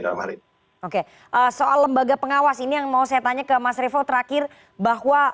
oke soal lembaga pengawas ini yang mau saya tanya ke mas revo terakhir bahwa